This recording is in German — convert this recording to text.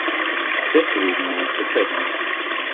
Deswegen mein Protest.